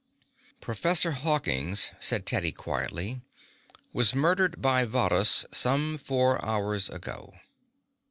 "Professor Hawkins," said Teddy quietly, "was murdered by Varrhus some four hours ago."